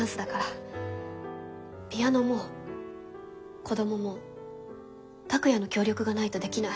ピアノも子どもも拓哉の協力がないとできない。